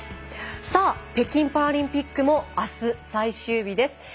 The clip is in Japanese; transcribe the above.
さあ北京パラリンピックもあす最終日です。